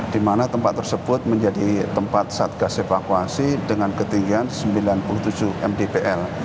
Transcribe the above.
di mana tempat tersebut menjadi tempat satgas evakuasi dengan ketinggian sembilan puluh tujuh mdpl